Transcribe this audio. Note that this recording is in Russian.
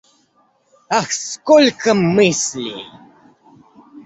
Ах, сколько мыслей!